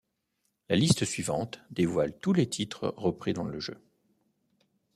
La liste suivante dévoile tous les titres repris dans le jeu.